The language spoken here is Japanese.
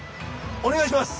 お願いします！